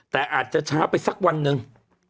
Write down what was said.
แต่อาจจะช้าไปสักวันหนึ่ง